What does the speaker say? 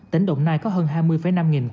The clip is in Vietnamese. tỉnh đồng nai có hơn hai mươi năm nghìn